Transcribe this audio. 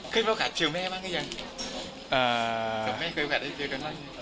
คุณแม่เคยเจอกันบ้างไหม